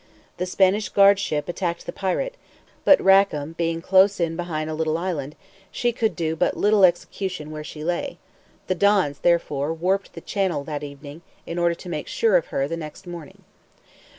The Spanish guard ship attacked the pirate, but Rackam being close in behind a little island, she could do but little execution where she lay; the Dons therefore warped into the channel that evening, in order to make sure of her the next morning.